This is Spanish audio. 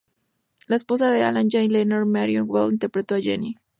La esposa de Alan Jay Lerner, Marion Bell, interpretó a Jennie.